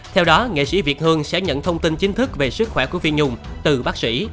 theo đó nghệ sĩ việt hương sẽ nhận thông tin chính thức về sức khỏe của phim nhùm từ bác sĩ